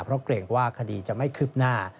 เพราะเกรงว่าคดีจะไม่คืบหน้า